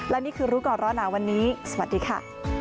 และนี่คือรู้ก่อนร้อนหนาวันนี้สวัสดีค่ะ